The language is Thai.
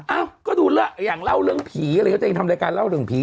อ้าวก็ดูละอย่างเล่าเรื่องผีอะไรก็จะเองทำรายการเล่าเรื่องผี